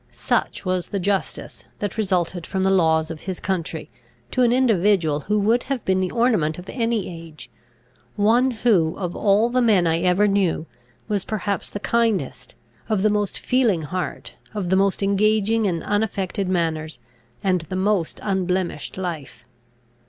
Such was the justice, that resulted from the laws of his country to an individual who would have been the ornament of any age; one who, of all the men I ever knew, was perhaps the kindest, of the most feeling heart, of the most engaging and unaffected manners, and the most unblemished life.